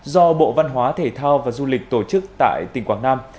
do bộ văn hóa thể thao và du lịch tổ chức tại tp hcm